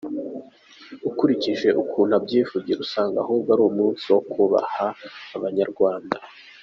Ukurikije uko abyivugira usanga ahubwo ari umunsi wo kuboha Abanyarwanda.